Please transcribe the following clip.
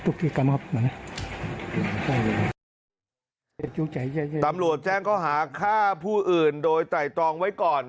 แจ้งตำรวจแจ้งเขาหาฆ่าผู้อื่นโดยไตรตรองไว้ก่อน